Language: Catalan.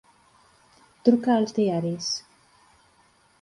Truca als diaris.